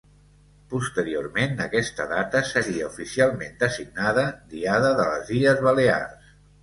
Posteriorment, aquesta data seria oficialment designada Diada de les Illes Balears.